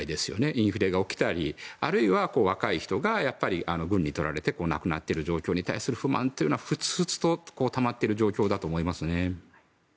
インフレが起きたりあるいは、若い人が軍に取られて亡くなっている状況に対する不満というのは沸々とたまっている状況だと思いますね。